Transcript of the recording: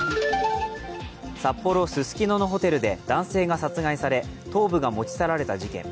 札幌・ススキノのホテルで男性が殺害され頭部が持ち去られた事件。